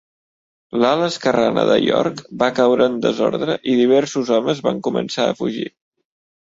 L'ala esquerrana de York va caure en desordre i diversos homes van començar a fugir.